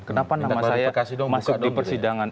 kenapa nama saya masuk di persidangan